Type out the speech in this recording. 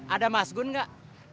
ada mas gun gak